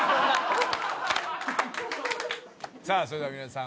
さあそれでは皆さん